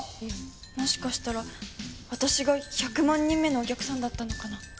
もしかしたら私が１００万人目のお客さんだったのかな。